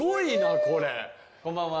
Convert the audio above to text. こんばんは。